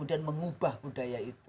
dan mengubah budaya itu